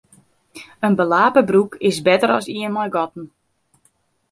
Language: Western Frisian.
In belape broek is better as ien mei gatten.